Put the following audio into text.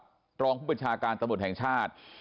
ฝ่านกับเพื่อนชาการตำรวจแห่งชาติ